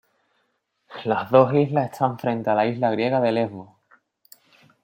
Las dos islas están frente a la isla griega de Lesbos.